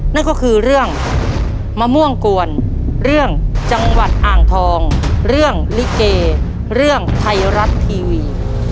นั่นก็คือเรื่องมะม่วงกวนเรื่องจังหวัดอ่างทองเรื่องลิเกเรื่องไทยรัฐทีวี